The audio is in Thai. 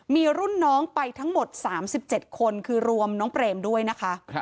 มีรุ่นน้องไปทั้งหมด๓๗คนคือรวมน้องเปรมด้วยนะคะ